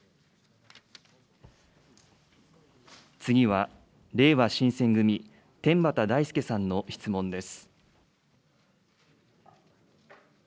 次はれいわ新選組、天畠大輔さんの質問です。